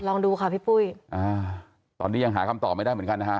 ลองดูค่ะพี่ปุ้ยอ่าตอนนี้ยังหาคำตอบไม่ได้เหมือนกันนะฮะ